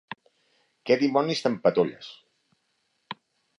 Què dimonis t'empatolles?